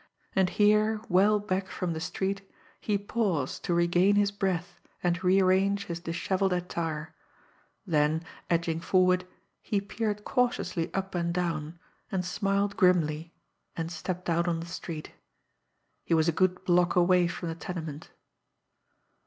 And here, well back from the street, he paused to regain his breath and rearrange his dishevelled attire; then, edging forward, he peered cautiously up and down and smiled grimly and stepped out on the street. He was a good block away from the tenement.